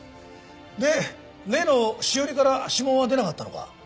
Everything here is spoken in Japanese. で例のしおりから指紋は出なかったのか？